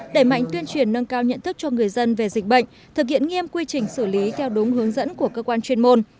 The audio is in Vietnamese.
đẩy mạnh tuyên truyền nâng cao nhận thức cho người dân về dịch bệnh thực hiện nghiêm quy trình xử lý theo đúng hướng dẫn của cơ quan chuyên môn